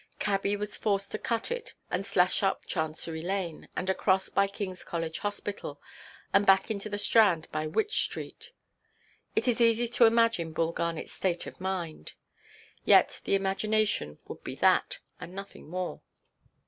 Cabby was forced to cut it, and slash up Chancery Lane, and across by Kingʼs College Hospital, and back into the Strand by Wych Street. It is easy to imagine Bull Garnetʼs state of mind; yet the imagination would be that, and nothing more.